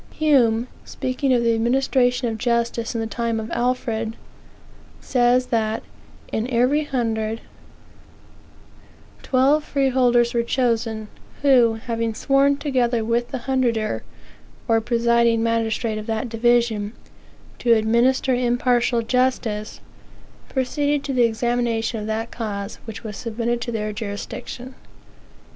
Hume, speaking of the administration of justice in the time of Alfred, says that, in every hundred, "Twelve freeholders were chosen, who, having sworn, together with the hundreder, or presiding magistrate of that division, to administer impartial justice, proceeded to the examination of that cause which was submitted to their jurisdiction."